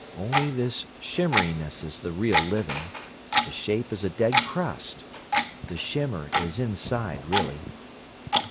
Only this shimmeriness is the real living. The shape is a dead crust. The shimmer is inside really."